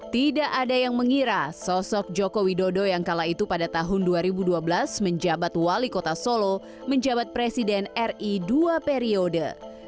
tidak ada yang mengira sosok joko widodo yang kala itu pada tahun dua ribu dua belas menjabat wali kota solo menjabat presiden ri dua periode